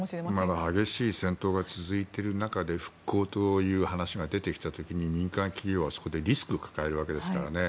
まだ激しい戦闘が続いている中で復興という話が出てきた時に民間企業はリスクを抱えるわけですからね。